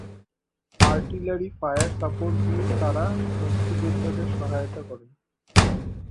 Artillery fire support দিয়ে তারা মুক্তিযোদ্ধাদের সহায়তা করেন।